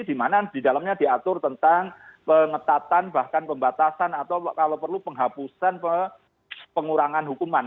di mana di dalamnya diatur tentang pengetatan bahkan pembatasan atau kalau perlu penghapusan pengurangan hukuman